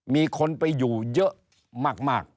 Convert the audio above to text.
มีคนไปอยู่เยอะมาก